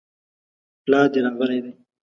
پلار دي راغلی دی؟